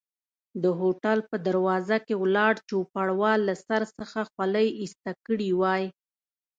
د هوټل په دروازه کې ولاړ چوپړوال له سر څخه خولۍ ایسته کړي وای.